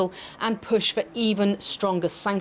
dan mencari sanksi yang lebih kuat